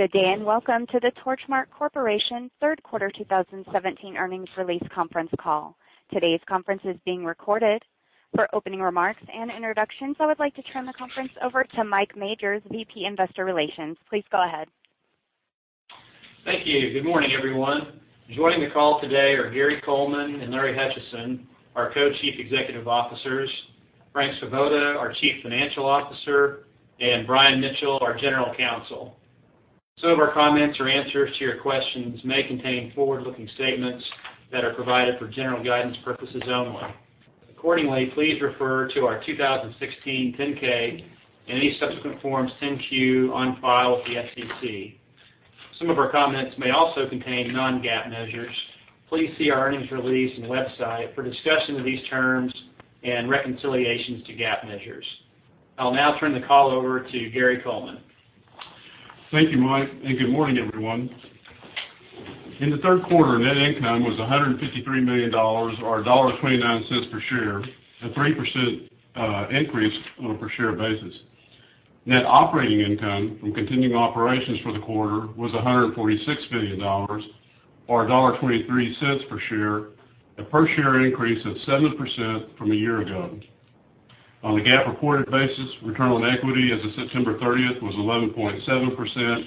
Good day, welcome to the Torchmark Corporation third quarter 2017 earnings release conference call. Today's conference is being recorded. For opening remarks and introductions, I would like to turn the conference over to Mike Majors, VP investor relations. Please go ahead. Thank you. Good morning, everyone. Joining the call today are Gary Coleman and Larry Hutchison, our Co-Chief Executive Officers, Frank Svoboda, our Chief Financial Officer, and Brian Mitchell, our General Counsel. Some of our comments or answers to your questions may contain forward-looking statements that are provided for general guidance purposes only. Accordingly, please refer to our 2016 10-K and any subsequent Forms 10-Q on file with the SEC. Some of our comments may also contain non-GAAP measures. Please see our earnings release and website for discussion of these terms and reconciliations to GAAP measures. I'll now turn the call over to Gary Coleman. Thank you, Mike, good morning, everyone. In the third quarter, net income was $153 million or $1.29 per share, a 3% increase on a per-share basis. Net operating income from continuing operations for the quarter was $146 million, or $1.23 per share, a per-share increase of 7% from a year ago. On a GAAP reported basis, return on equity as of September 30th was 11.7%,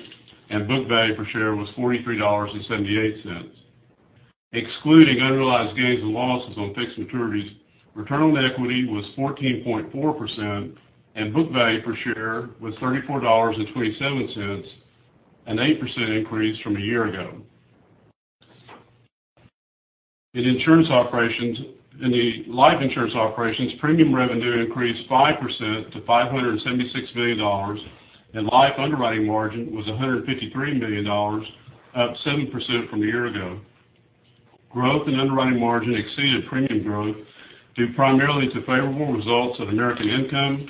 and book value per share was $43.78. Excluding unrealized gains and losses on fixed maturities, return on equity was 14.4%, and book value per share was $34.27, an 8% increase from a year ago. In the life insurance operations, premium revenue increased 5% to $576 million, and life underwriting margin was $153 million, up 7% from a year ago. Growth in underwriting margin exceeded premium growth due primarily to favorable results of American Income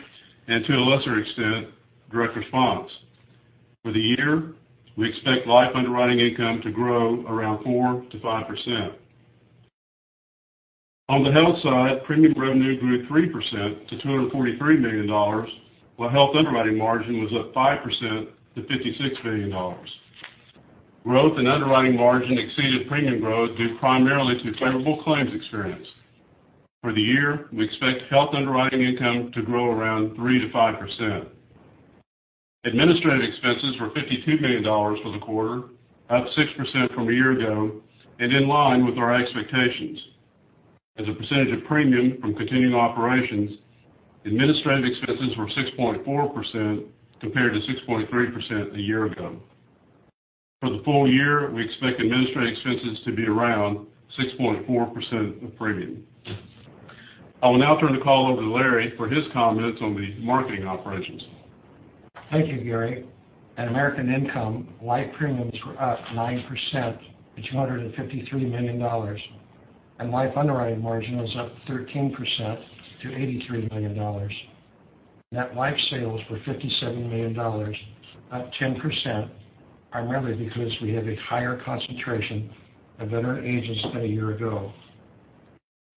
and, to a lesser extent, Direct Response. For the year, we expect life underwriting income to grow around 4%-5%. On the health side, premium revenue grew 3% to $243 million, while health underwriting margin was up 5% to $56 million. Growth in underwriting margin exceeded premium growth due primarily to favorable claims experience. For the year, we expect health underwriting income to grow around 3%-5%. Administrative expenses were $52 million for the quarter, up 6% from a year ago in line with our expectations. As a percentage of premium from continuing operations, administrative expenses were 6.4% compared to 6.3% a year ago. For the full year, we expect administrative expenses to be around 6.4% of premium. I will now turn the call over to Larry for his comments on the marketing operations. Thank you, Gary. At American Income, life premiums were up 9% to $253 million, and life underwriting margin was up 13% to $83 million. Net life sales were $57 million, up 10%, primarily because we have a higher concentration of better agents than a year-ago.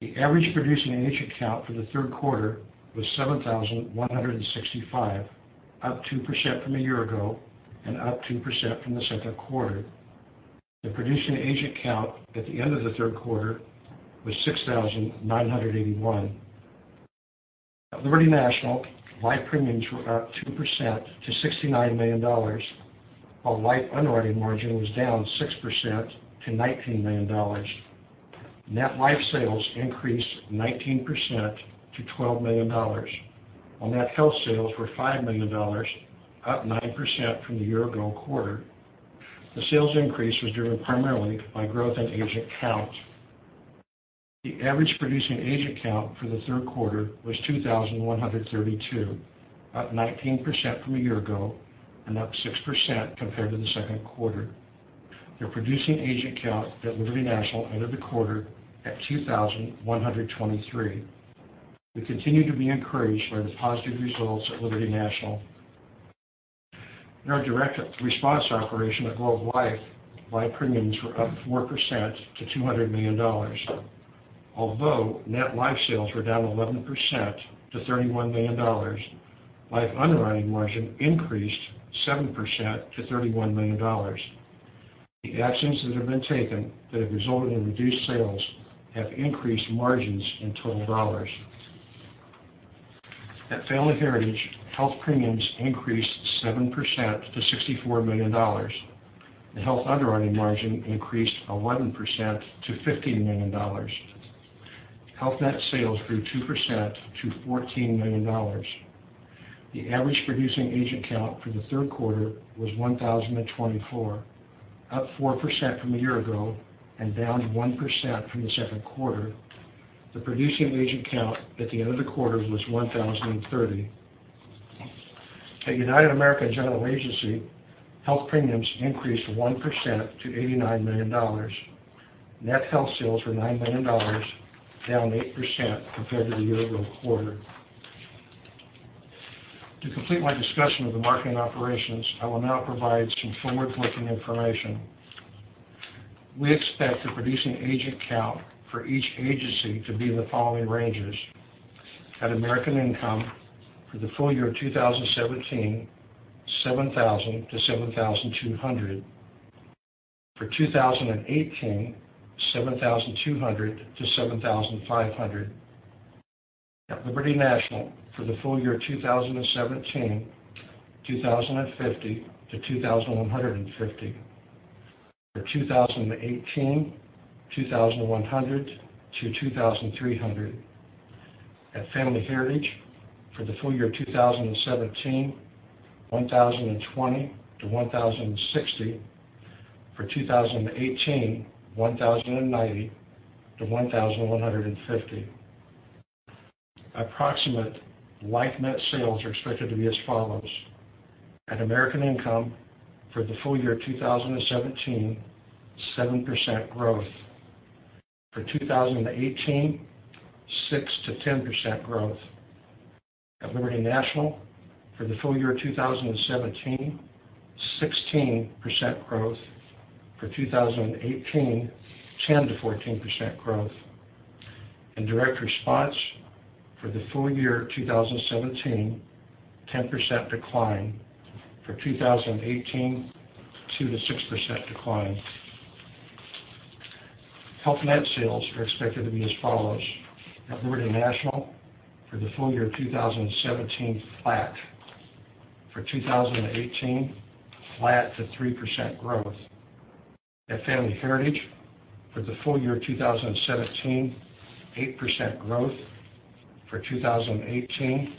The average producing agent count for the third quarter was 7,165, up 2% from a year-ago and up 2% from the second quarter. The producing agent count at the end of the third quarter was 6,981. At Liberty National, life premiums were up 2% to $69 million, while life underwriting margin was down 6% to $19 million. Net life sales increased 19% to $12 million. On that, health sales were $5 million, up 9% from the year-ago quarter. The sales increase was driven primarily by growth in agent count. The average producing agent count for the third quarter was 2,132, up 19% from a year-ago and up 6% compared to the second quarter. The producing agent count at Liberty National ended the quarter at 2,123. We continue to be encouraged by the positive results at Liberty National. In our Direct Response operation at Globe Life, life premiums were up 4% to $200 million. Although net life sales were down 11% to $31 million, life underwriting margin increased 7% to $31 million. The actions that have been taken that have resulted in reduced sales have increased margins in total dollars. At Family Heritage, health premiums increased 7% to $64 million, and health underwriting margin increased 11% to $15 million. Health net sales grew 2% to $14 million. The average producing agent count for the third quarter was 1,024, up 4% from a year-ago and down 1% from the second quarter. The producing agent count at the end of the quarter was 1,030. At United American General Agency, health premiums increased 1% to $89 million. Net health sales were $9 million, down 8% compared to the year-ago quarter. To complete my discussion of the marketing operations, I will now provide some forward-looking information. We expect the producing agent count for each agency to be in the following ranges: at American Income, for the full year of 2017, 7,000-7,200. For 2018, 7,200-7,500. At Liberty National, for the full year of 2017, 2,050-2,150. For 2018, 2,100-2,300. At Family Heritage, for the full year of 2017, 1,020-1,060. For 2018, 1,090-1,150. Approximate life net sales are expected to be as follows: at American Income, for the full year of 2017, 7% growth. For 2018, 6%-10% growth. At Liberty National, for the full year of 2017, 16% growth. For 2018, 10%-14% growth. In Direct Response, for the full year of 2017, 10% decline. For 2018, 2%-6% decline. Health net sales are expected to be as follows: at Liberty National, for the full year of 2017, flat. For 2018, flat to 3% growth. At Family Heritage, for the full year of 2017, 8% growth. For 2018,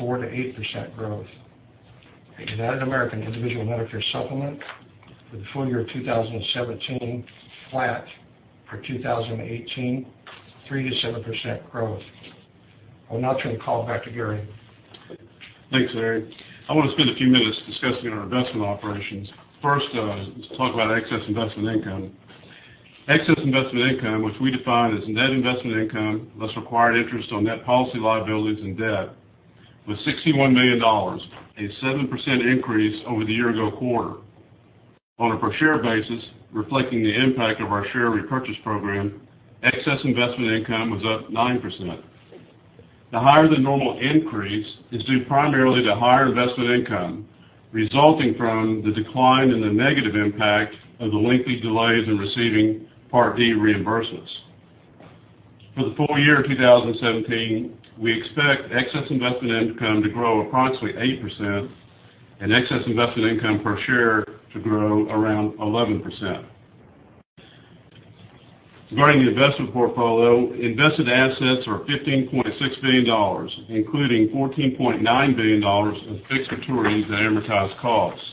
4%-8% growth. At United American Individual Medicare Supplement, for the full year of 2017, flat. For 2018, 3%-7% growth. I'll now turn the call back to Gary. Thanks, Larry. I want to spend a few minutes discussing our investment operations. First, let's talk about excess investment income. Excess investment income, which we define as net investment income, less required interest on net policy liabilities and debt, was $61 million, a 7% increase over the year-ago quarter. On a per share basis, reflecting the impact of our share repurchase program, excess investment income was up 9%. The higher-than-normal increase is due primarily to higher investment income resulting from the decline in the negative impact of the lengthy delays in receiving Part D reimburses. For the full year of 2017, we expect excess investment income to grow approximately 8%, and excess investment income per share to grow around 11%. Regarding the investment portfolio, invested assets were $15.6 billion, including $14.9 billion of fixed maturities at amortized costs.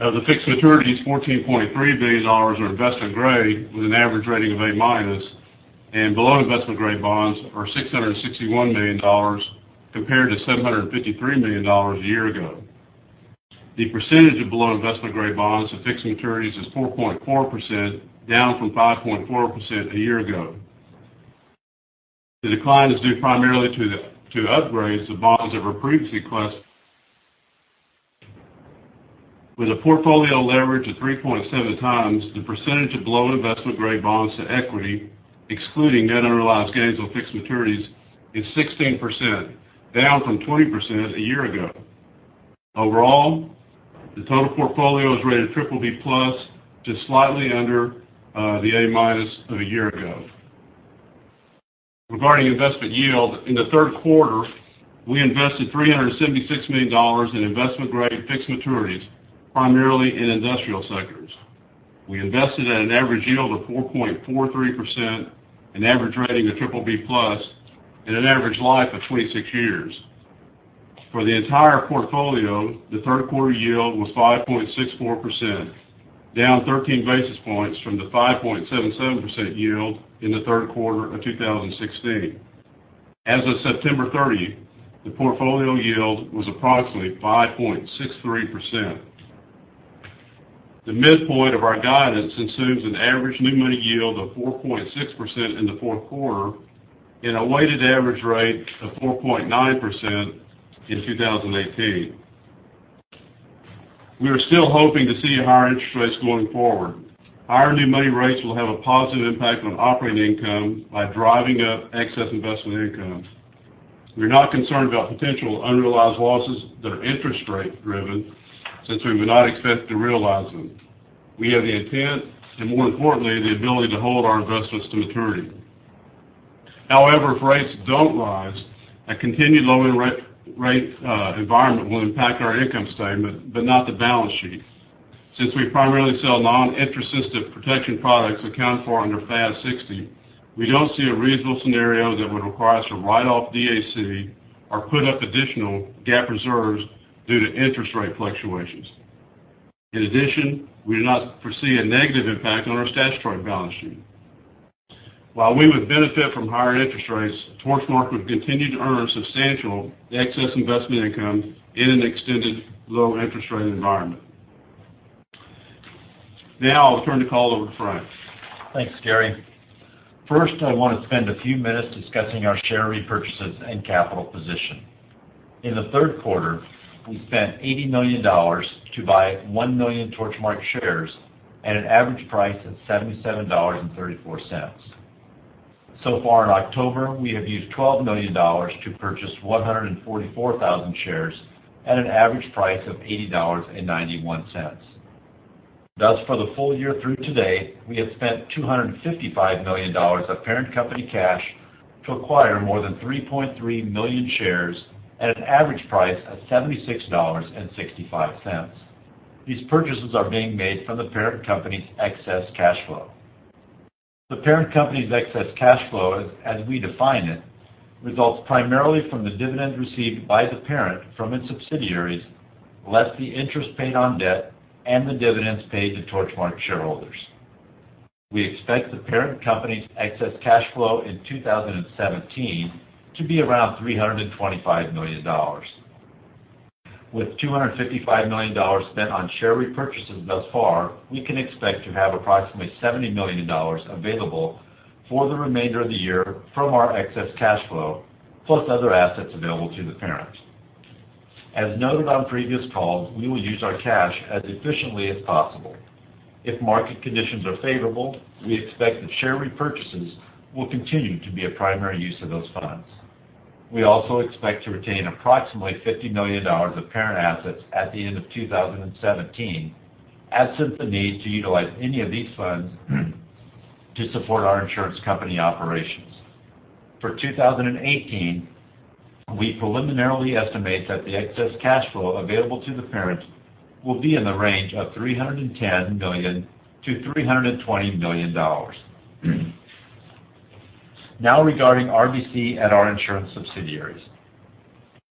Of the fixed maturities, $14.3 billion are investment-grade, with an average rating of A-, and below investment-grade bonds are $661 million compared to $753 million a year-ago. The percentage of below investment-grade bonds to fixed maturities is 4.4%, down from 5.4% a year-ago. The decline is due primarily to upgrades to bonds that were previously classed. With a portfolio leverage of 3.7 times, the percentage of below investment-grade bonds to equity, excluding net unrealized gains on fixed maturities, is 16%, down from 20% a year-ago. Overall, the total portfolio is rated BBB+, just slightly under the A- of a year-ago. Regarding investment yield, in the third quarter, we invested $376 million in investment-grade fixed maturities, primarily in industrial sectors. We invested at an average yield of 4.43%, an average rating of BBB+, and an average life of 26 years. For the entire portfolio, the third quarter yield was 5.64%, down 13 basis points from the 5.77% yield in the third quarter of 2016. As of September 30, the portfolio yield was approximately 5.63%. The midpoint of our guidance assumes an average new money yield of 4.6% in the fourth quarter and a weighted average rate of 4.9% in 2018. We are still hoping to see higher interest rates going forward. Higher new money rates will have a positive impact on operating income by driving up excess investment income. We're not concerned about potential unrealized losses that are interest rate-driven since we do not expect to realize them. We have the intent and, more importantly, the ability to hold our investments to maturity. However, if rates don't rise, a continued low rate environment will impact our income statement but not the balance sheet. Since we primarily sell non-interest-sensitive protection products accounted for under FAS 60, we don't see a reasonable scenario that would require us to write off DAC or put up additional GAAP reserves due to interest rate fluctuations. In addition, we do not foresee a negative impact on our statutory balance sheet. While we would benefit from higher interest rates, Torchmark would continue to earn substantial excess investment income in an extended low interest rate environment. Now I'll turn the call over to Frank. Thanks, Gary. First, I want to spend a few minutes discussing our share repurchases and capital position. In the third quarter, we spent $80 million to buy 1 million Torchmark shares at an average price of $77.34. Far in October, we have used $12 million to purchase 144,000 shares at an average price of $80.91. For the full year through today, we have spent $255 million of parent company cash to acquire more than 3.3 million shares at an average price of $76.65. These purchases are being made from the parent company's excess cash flow. The parent company's excess cash flow, as we define it, results primarily from the dividends received by the parent from its subsidiaries, less the interest paid on debt and the dividends paid to Torchmark shareholders. We expect the parent company's excess cash flow in 2017 to be around $325 million. With $255 million spent on share repurchases thus far, we can expect to have approximately $70 million available for the remainder of the year from our excess cash flow, plus other assets available to the parent. As noted on previous calls, we will use our cash as efficiently as possible. If market conditions are favorable, we expect that share repurchases will continue to be a primary use of those funds. We also expect to retain approximately $50 million of parent assets at the end of 2017, absent the need to utilize any of these funds to support our insurance company operations. For 2018, we preliminarily estimate that the excess cash flow available to the parent will be in the range of $310 million-$320 million. Regarding RBC at our insurance subsidiaries.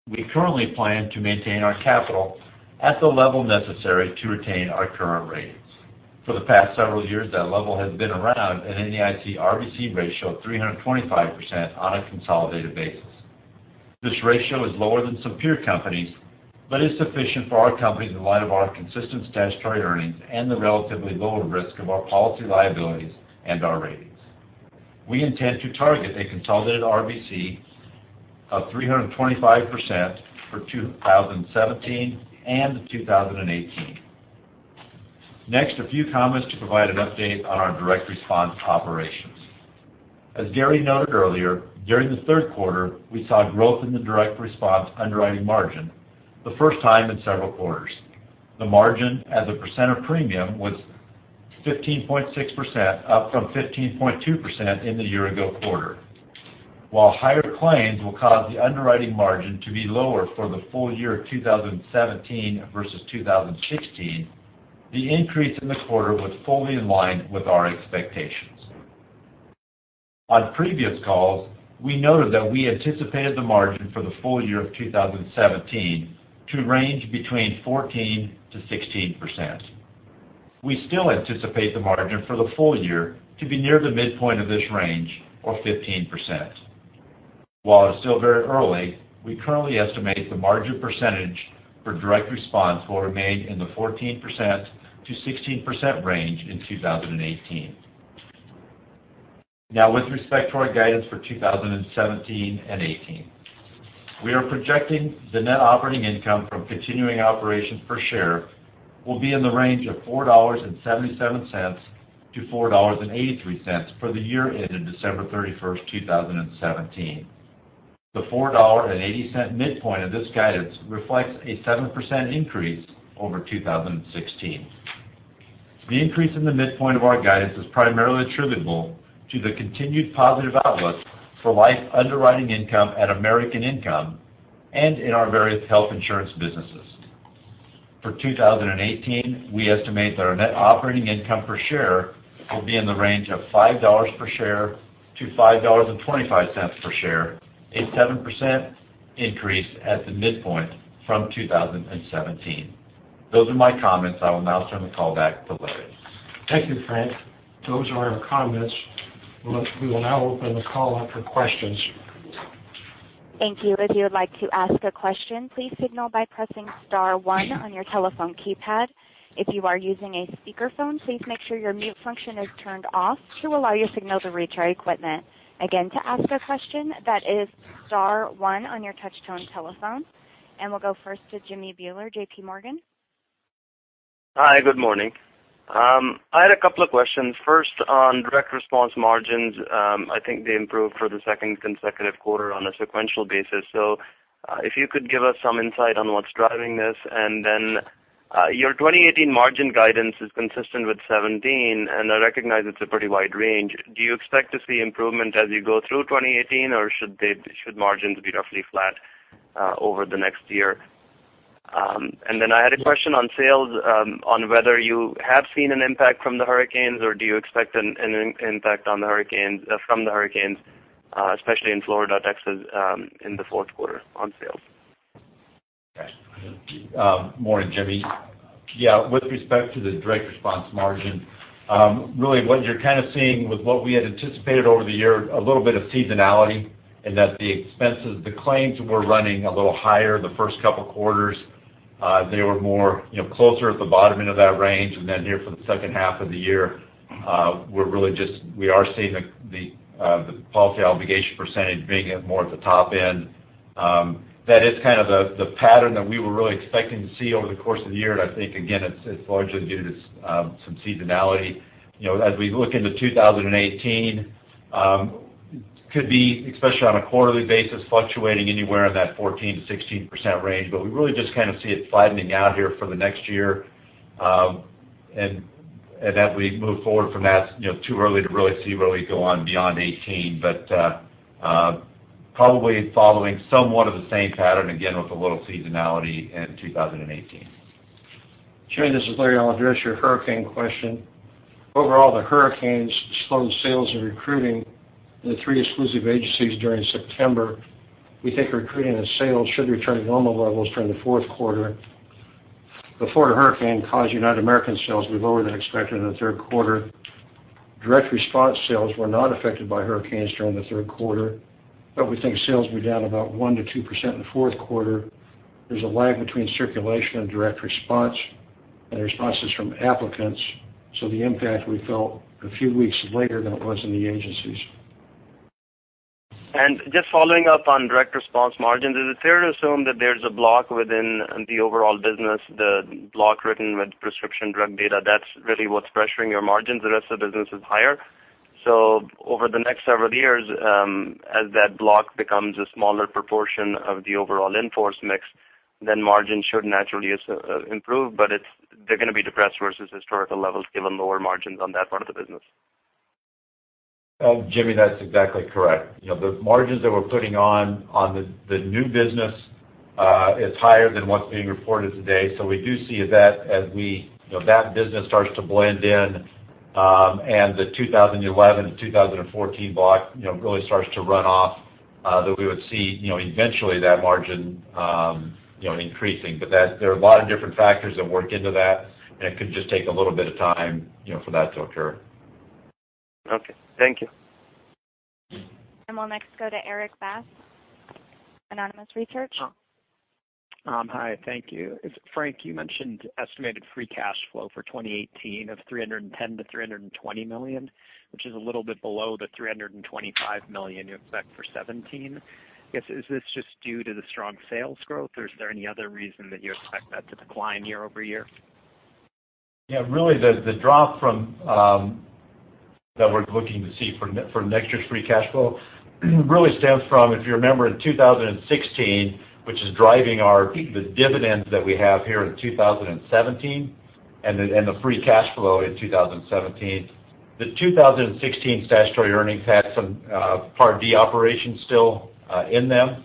We currently plan to maintain our capital at the level necessary to retain our current ratings. For the past several years, that level has been around an NAIC RBC ratio of 325% on a consolidated basis. This ratio is lower than some peer companies, but is sufficient for our companies in light of our consistent statutory earnings and the relatively lower risk of our policy liabilities and our ratings. We intend to target a consolidated RBC of 325% for 2017 and 2018. A few comments to provide an update on our Direct Response operations. As Gary noted earlier, during the third quarter, we saw growth in the Direct Response underwriting margin, the first time in several quarters. The margin as a percent of premium was 15.6%, up from 15.2% in the year ago quarter. While higher claims will cause the underwriting margin to be lower for the full year of 2017 versus 2016, the increase in the quarter was fully in line with our expectations. On previous calls, we noted that we anticipated the margin for the full year of 2017 to range between 14%-16%. We still anticipate the margin for the full year to be near the midpoint of this range or 15%. While it's still very early, we currently estimate the margin percentage for Direct Response will remain in the 14%-16% range in 2018. With respect to our guidance for 2017 and 2018. We are projecting the net operating income from continuing operations per share will be in the range of $4.77-$4.83 for the year ending December 31st, 2017. The $4.80 midpoint of this guidance reflects a 7% increase over 2016. The increase in the midpoint of our guidance is primarily attributable to the continued positive outlook for life underwriting income at American Income and in our various health insurance businesses. For 2018, we estimate that our net operating income per share will be in the range of $5-$5.25 per share, a 7% increase at the midpoint from 2017. Those are my comments. I will now turn the call back to Larry. Thank you, Frank. Those are our comments. We will now open the call up for questions. Thank you. If you would like to ask a question, please signal by pressing star one on your telephone keypad. If you are using a speakerphone, please make sure your mute function is turned off to allow your signal to reach our equipment. Again, to ask a question, that is star one on your touch-tone telephone. We'll go first to Jimmy Bhullar, J.P. Morgan. Hi, good morning. I had a couple of questions, first on Direct Response margins. I think they improved for the second consecutive quarter on a sequential basis. If you could give us some insight on what's driving this. Then your 2018 margin guidance is consistent with 2017. I recognize it's a pretty wide range. Do you expect to see improvement as you go through 2018, or should margins be roughly flat over the next year? Then I had a question on sales, on whether you have seen an impact from the hurricanes or do you expect an impact from the hurricanes, especially in Florida, Texas, in the fourth quarter on sales? Okay. Morning, Jimmy. With respect to the Direct Response margin, really what you're kind of seeing with what we had anticipated over the year, a little bit of seasonality in that the expenses, the claims were running a little higher the first couple quarters They were more closer at the bottom end of that range. Then here for the second half of the year, we are seeing the policy obligation % being at more at the top end. That is the pattern that we were really expecting to see over the course of the year, I think, again, it's largely due to some seasonality. As we look into 2018, could be, especially on a quarterly basis, fluctuating anywhere in that 14%-16% range. We really just see it flattening out here for the next year. As we move forward from that, too early to really see go on beyond 2018. Probably following somewhat of the same pattern, again, with a little seasonality in 2018. Jimmy, this is Larry. I'll address your hurricane question. Overall, the hurricanes slowed sales and recruiting in the three exclusive agencies during September. We think recruiting and sales should return to normal levels during the fourth quarter. The Florida hurricane caused United American's sales to be lower than expected in the third quarter. Direct Response sales were not affected by hurricanes during the third quarter, we think sales will be down about 1%-2% in the fourth quarter. There's a lag between circulation and Direct Response, and responses from applicants. The impact we felt a few weeks later than it was in the agencies. Just following up on Direct Response margins, is it fair to assume that there's a block within the overall business, the block written with prescription drug data, that's really what's pressuring your margins? The rest of the business is higher. Over the next several years, as that block becomes a smaller proportion of the overall in-force mix, then margins should naturally improve, they're going to be depressed versus historical levels given lower margins on that part of the business. Jimmy, that's exactly correct. The margins that we're putting on the new business is higher than what's being reported today. We do see that as that business starts to blend in, and the 2011 and 2014 block really starts to run off, that we would see eventually that margin increasing. There are a lot of different factors that work into that, and it could just take a little bit of time for that to occur. Okay. Thank you. We'll next go to Erik Bass, Autonomous Research. Hi, thank you. Frank, you mentioned estimated free cash flow for 2018 of $310 million-$320 million, which is a little bit below the $325 million you expect for 2017. I guess, is this just due to the strong sales growth, or is there any other reason that you expect that to decline year-over-year? Yeah, really the drop that we're looking to see for next year's free cash flow really stems from, if you remember, in 2016, which is driving the dividends that we have here in 2017, and the free cash flow in 2017. The 2016 statutory earnings had some Part D operations still in them.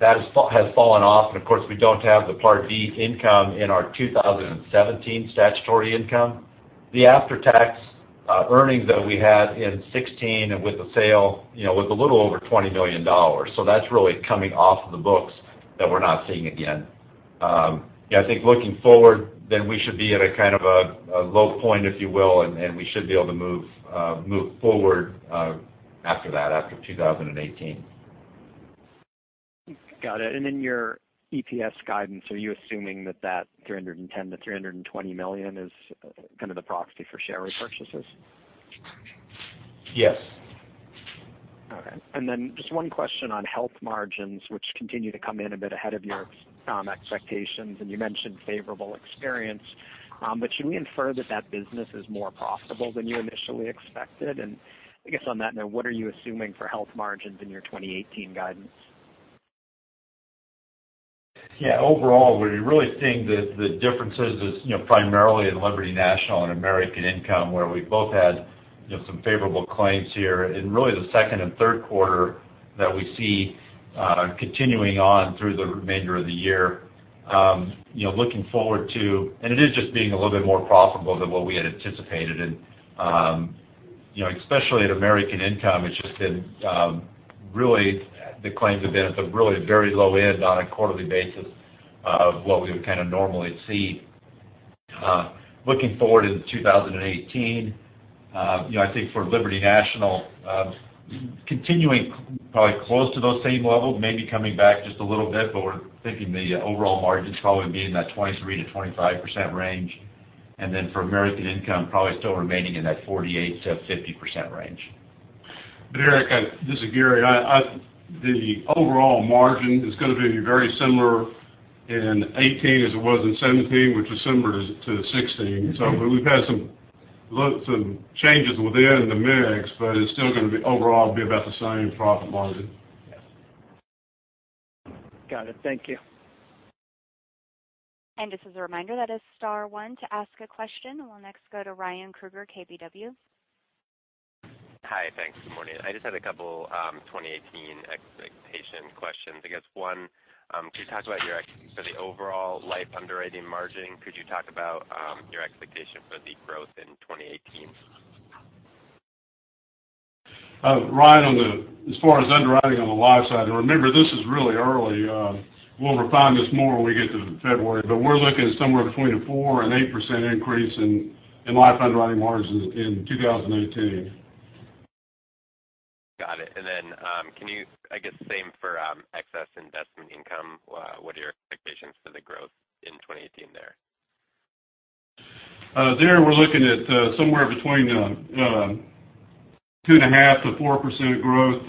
That has fallen off, and of course, we don't have the Part D income in our 2017 statutory income. The after-tax earnings that we had in 2016 and with the sale, was a little over $20 million. That's really coming off the books that we're not seeing again. I think looking forward, then we should be at a kind of a low point, if you will, and we should be able to move forward after that, after 2018. Got it. In your EPS guidance, are you assuming that that $310 million-$320 million is kind of the proxy for share repurchases? Yes. Okay. Just one question on health margins, which continue to come in a bit ahead of your expectations, and you mentioned favorable experience. Should we infer that that business is more profitable than you initially expected? I guess on that note, what are you assuming for health margins in your 2018 guidance? Yeah. Overall, we're really seeing the differences is primarily in Liberty National and American Income, where we both had some favorable claims here in really the second and third quarter that we see continuing on through the remainder of the year. Looking forward to, and it is just being a little bit more profitable than what we had anticipated. Especially at American Income, the claims have been at the really very low end on a quarterly basis of what we would kind of normally see. Looking forward into 2018, I think for Liberty National, continuing probably close to those same levels, maybe coming back just a little bit, but we're thinking the overall margins probably being in that 23%-25% range. For American Income, probably still remaining in that 48%-50% range. Erik, this is Gary. The overall margin is going to be very similar in 2018 as it was in 2017, which is similar to 2016. We've had some changes within the mix, but it's still going to be overall about the same profit margin. Yes. Got it. Thank you. Just as a reminder, that is star one to ask a question. We'll next go to Ryan Krueger, KBW. Hi. Thanks. Good morning. I just had a couple 2018 expectation questions. I guess, one, could you talk about your expectations for the overall life underwriting margin? Could you talk about your expectation for the growth in 2018? Ryan, as far as underwriting on the life side, remember, this is really early. We'll refine this more when we get to February, but we're looking at somewhere between a 4%-8% increase in life underwriting margins in 2018. Can you, same for excess investment income, what are your expectations for the growth in 2018 there? There, we're looking at somewhere between 2.5%-4% growth.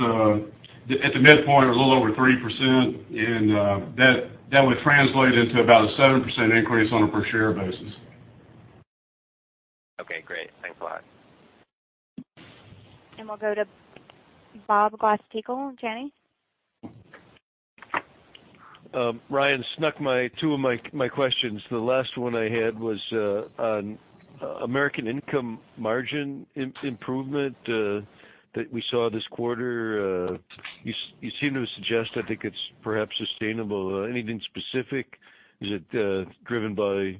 At the midpoint, we're a little over 3%, that would translate into about a 7% increase on a per share basis. Okay, great. Thanks a lot. We'll go to Robert Glasspiegel, Janney. Ryan snuck two of my questions. The last one I had was on American Income margin improvement that we saw this quarter. You seem to suggest I think it's perhaps sustainable. Anything specific? Is it driven by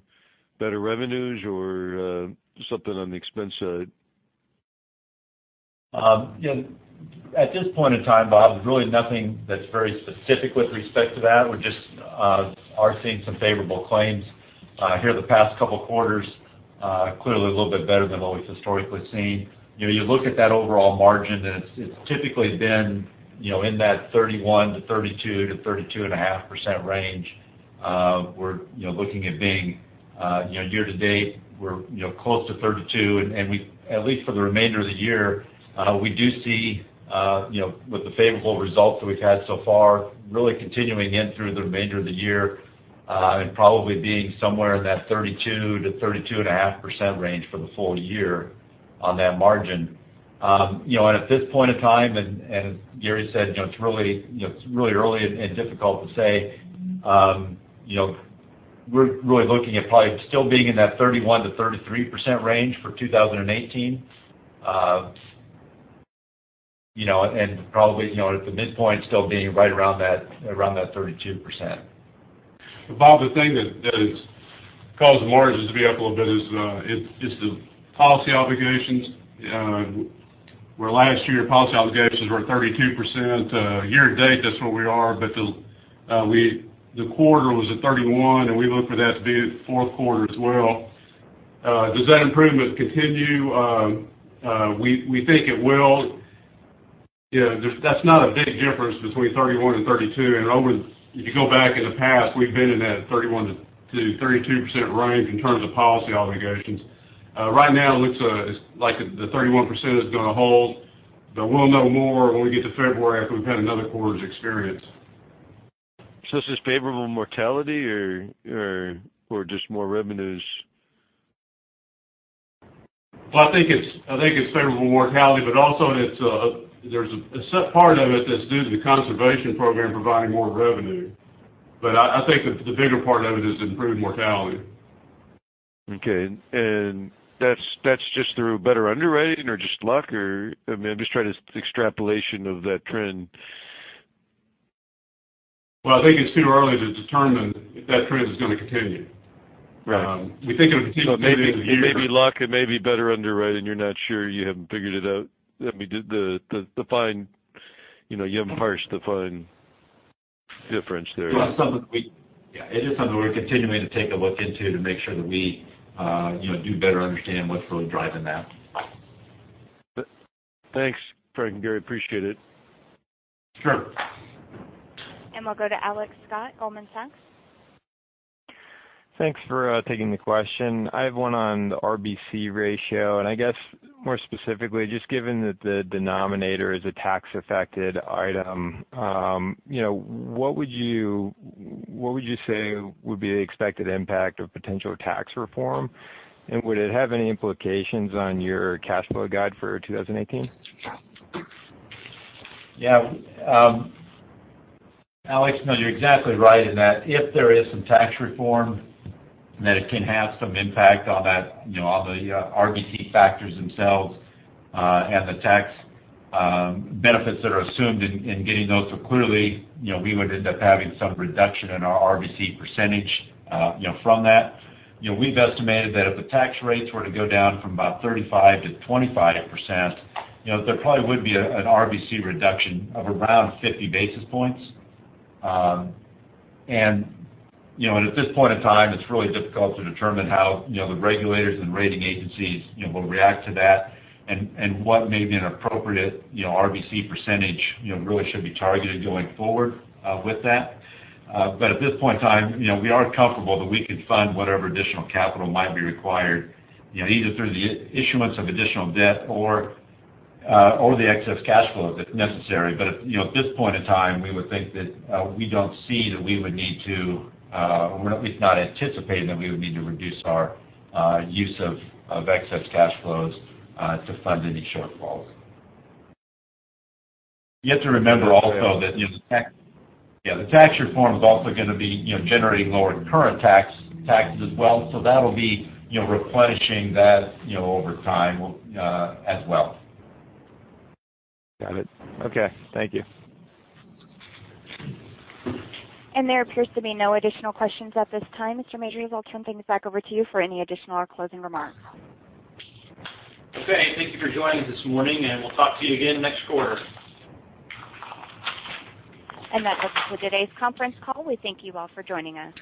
better revenues or something on the expense side? At this point in time, Bob, there's really nothing that's very specific with respect to that. We just are seeing some favorable claims here the past couple of quarters. Clearly, a little bit better than what we've historically seen. You look at that overall margin, it's typically been in that 31%-32.5% range. We're looking at being, year to date, we're close to 32%. At least for the remainder of the year, we do see with the favorable results that we've had so far, really continuing in through the remainder of the year, and probably being somewhere in that 32%-32.5% range for the full year on that margin. At this point in time, as Gary said, it's really early and difficult to say. We're really looking at probably still being in that 31%-33% range for 2018. Probably at the midpoint, still being right around that 32%. Bob, the thing that has caused the margins to be up a little bit is the policy obligations, where last year, policy obligations were at 32%. Year to date, that's where we are. The quarter was at 31%, we look for that to be at fourth quarter as well. Does that improvement continue? We think it will. That's not a big difference between 31% and 32%. If you go back in the past, we've been in that 31%-32% range in terms of policy obligations. Right now, it looks like the 31% is going to hold, but we'll know more when we get to February after we've had another quarter's experience. Is this favorable mortality or just more revenues? Well, I think it's favorable mortality, also part of it that's due to the conservation program providing more revenue. I think the bigger part of it is improved mortality. Okay. That's just through better underwriting or just luck? I'm just trying to extrapolation of that trend. Well, I think it's too early to determine if that trend is going to continue. Right. We think it'll continue to maybe. It may be luck, it may be better underwriting. You're not sure. You haven't parsed the fine difference there. It's just something we're continuing to take a look into to make sure that we do better understand what's really driving that. Thanks, Frank and Gary, appreciate it. Sure. We'll go to Alex Scott, Goldman Sachs. Thanks for taking the question. I have one on the RBC ratio, and I guess more specifically, just given that the denominator is a tax affected item, what would you say would be the expected impact of potential tax reform? Would it have any implications on your cash flow guide for 2018? Alex, no, you're exactly right in that if there is some tax reform, that it can have some impact on the RBC factors themselves, and the tax benefits that are assumed in getting those. Clearly, we would end up having some reduction in our RBC percentage from that. We've estimated that if the tax rates were to go down from about 35% to 25%, there probably would be an RBC reduction of around 50 basis points. At this point in time, it's really difficult to determine how the regulators and rating agencies will react to that, and what may be an appropriate RBC percentage really should be targeted going forward with that. At this point in time, we are comfortable that we could fund whatever additional capital might be required, either through the issuance of additional debt or the excess cash flow, if necessary. At this point in time, we would think that we don't see that we would need to, or we're at least not anticipating that we would need to reduce our use of excess cash flows to fund any shortfalls. You have to remember also that the tax reform is also going to be generating lower current taxes as well. That'll be replenishing that over time as well. Got it. Okay. Thank you. There appears to be no additional questions at this time. Mr. Majors, I'll turn things back over to you for any additional or closing remarks. Thank you for joining us this morning, and we'll talk to you again next quarter. That does it for today's conference call. We thank you all for joining us.